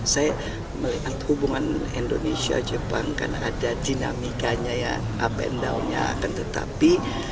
saya melihat hubungan indonesia jepang karena ada dinamikanya yang up and down nya akan tetapi